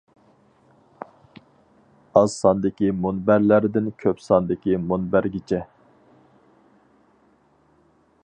ئاز ساندىكى مۇنبەرلەردىن كۆپ ساندىكى مۇنبەرگىچە.